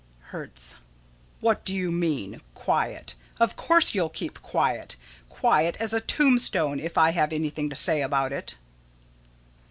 Hertz: What do you mean? Quiet? Of course you'll keep quiet. Quiet as a tombstone, if I have anything to say about it.